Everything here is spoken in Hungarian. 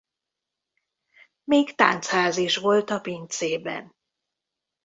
Még táncház is volt a pincében.